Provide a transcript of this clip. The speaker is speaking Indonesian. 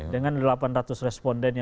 dengan delapan ratus responden yang kita